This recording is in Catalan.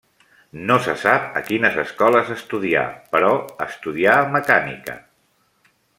No se sap a quines escoles estudià però estudià mecànica.